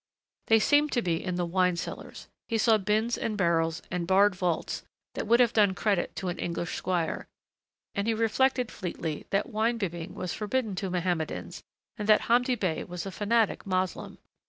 They seemed to be in the wine cellars. He saw bins and barrels and barred vaults that would have done credit to an English squire, and he reflected fleetly that wine bibbing was forbidden to Mohammedans and that Hamdi Bey was a fanatic Moslem....